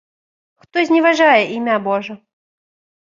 Хто зневажае імя божа?